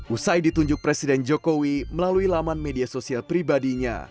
usai ditunjuk presiden jokowi melalui laman media sosial pribadinya